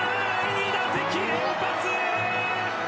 ２打席連発！